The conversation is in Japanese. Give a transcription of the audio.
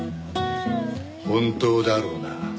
本当だろうな？